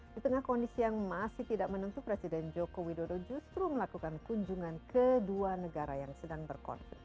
di tengah kondisi yang masih tidak menentu presiden joko widodo justru melakukan kunjungan ke dua negara yang sedang berkonflik